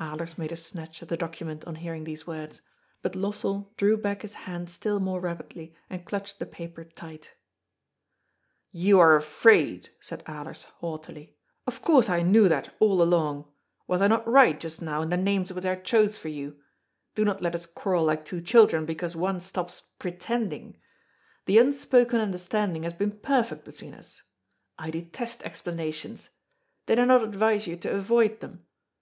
Alers made a snatch at the document on hearing these words, but Lossell drew back his hand still more rapidly and clutched the paper tight " You are afraid," said Alers haughtily. " Of course I knew that all along. Was I not right just now in the names which I chose for you ? Do not let us quarrel like two children, because one stops ^pretending.' The un spoken understanding has been perfect between us. I de test explanations. Did I not advise you to avoid them?